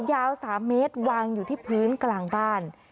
ยาว๓เมตรวางอยู่ที่พื้นกลางบ้าน